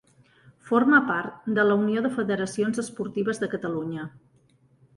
Forma part de la Unió de Federacions Esportives de Catalunya.